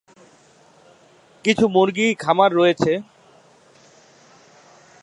কিছু মুরগি খামার রয়েছে।